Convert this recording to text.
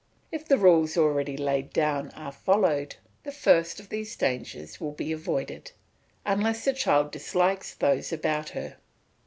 If the rules already laid down are followed, the first of these dangers will be avoided, unless the child dislikes those about her.